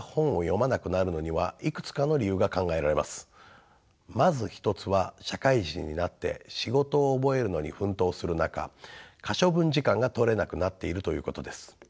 まず１つは社会人になって仕事を覚えるのに奮闘する中可処分時間が取れなくなっているということです。